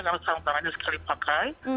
karena sarung tangannya sekali pakai